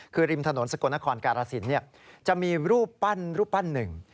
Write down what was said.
คือริมถนนสกลนครการสินจะมีรูปปั้นรูปปั้นหนึ่ง